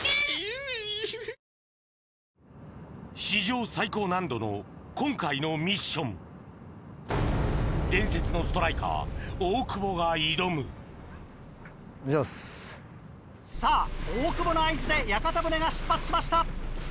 史上最高難度の今回のミッション伝説のストライカー大久保が挑むさぁ大久保の合図で屋形船が出発しました。